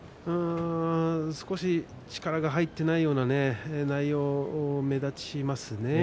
少し力が入っていないような内容が目立ちますね。